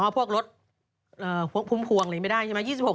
พวกรถพุ่มพวงอะไรไม่ได้ใช่ไหม